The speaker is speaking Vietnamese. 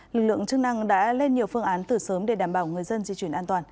lực lượng chức năng đã lên nhiều phương án từ sớm để đảm bảo người dân di chuyển an toàn